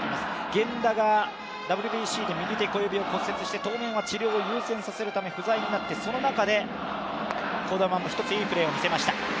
源田がＷＢＣで右手小指を骨折して当面は治療を優先させるため不在になって、その中で児玉も一ついいプレーを見せました。